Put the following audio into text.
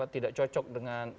tidak cocok dengan